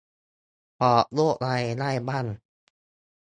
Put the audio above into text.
บอกโรคอะไรได้บ้าง